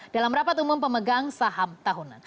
dalam rapat umum pemegang saham tahunan